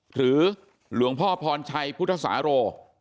หรือหลวงพ่อพรชัยพุทธศาโร